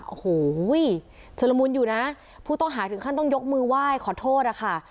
โอ้โหชุลมุนอยู่นะผู้ต้องหาถึงขั้นต้องยกมือไหว้ขอโทษนะคะ